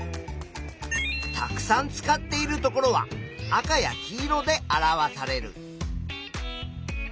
たくさん使っているところは赤や黄色で表される。